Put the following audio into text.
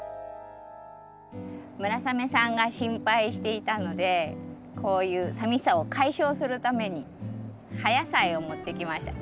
村雨さんが心配していたのでこういうさみしさを解消するために葉野菜を持ってきました。